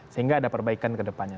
sehingga ada perbaikan kedepannya